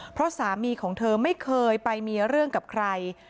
เพราะสามีของเธอไม่เคยไปมีเรื่องกับใคร